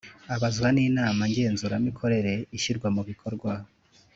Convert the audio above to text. abazwa n Inama Ngenzuramikorere ishyirwa mubikorwa